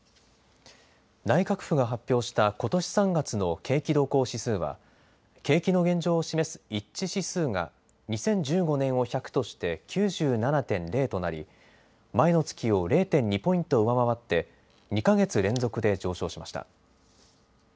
内閣府が発表したことし３月の景気動向指数は景気の現状を示す一致指数が２０１５年を１００として９７．０となり前の月を０．２ポイント上回って２か月連続で上昇しました。